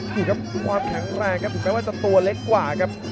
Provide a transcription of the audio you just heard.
นี่ครับความแข็งแรงครับถึงแม้ว่าจะตัวเล็กกว่าครับ